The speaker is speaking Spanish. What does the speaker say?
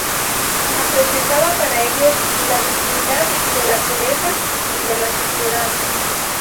Representaba para ellos la divinidad de la pureza y de la suciedad.